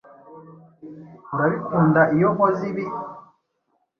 Urabikunda iyo nkoze ibi?